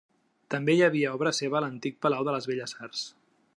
També hi havia obra seva a l'antic Palau de les Belles Arts.